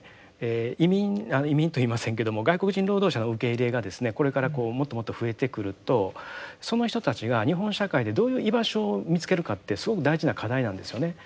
移民あっ移民と言いませんけども外国人労働者の受け入れがですねこれからこうもっともっと増えてくるとその人たちが日本社会でどういう居場所を見つけるかってすごく大事な課題なんですよね。